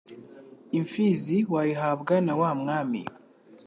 Imfizi wayihabwa na wa Mwami